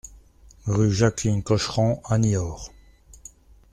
Rue Jacqueline Cochran à Niort